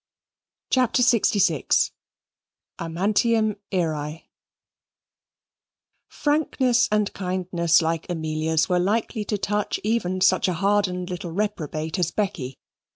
CHAPTER LXVI Amantium Irae Frankness and kindness like Amelia's were likely to touch even such a hardened little reprobate as Becky.